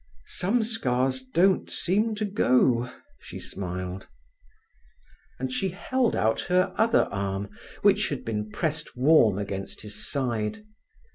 "Some scars don't seem to go," she smiled. And she held out her other arm, which had been pressed warm against his side.